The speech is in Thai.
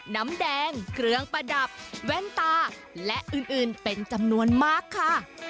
น้ำแดงเครื่องประดับแว่นตาและอื่นเป็นจำนวนมากค่ะ